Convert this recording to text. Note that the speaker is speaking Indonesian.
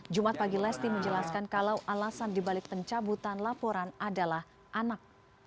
jumat pagi lesti menjelaskan kalau alasan dibalik pencabutan laporan adalah anak